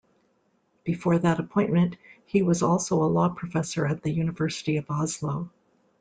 Before that appointment, he was also a law professor at the University of Oslo.